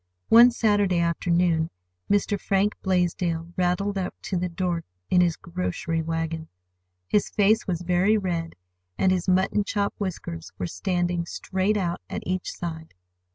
One Saturday afternoon Mr. Frank Blaisdell rattled up to the door in his grocery wagon. His face was very red, and his mutton chop whiskers were standing straight out at each side.